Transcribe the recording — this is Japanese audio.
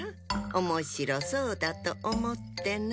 おもしろそうだとおもってな。